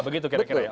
begitu kira kira ya